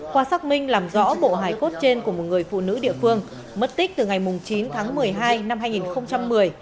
qua xác minh làm rõ bộ hải cốt trên của một người phụ nữ địa phương mất tích từ ngày chín tháng một mươi hai năm hai nghìn một mươi